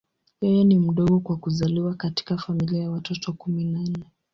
Yeye ni mdogo kwa kuzaliwa katika familia ya watoto kumi na nne.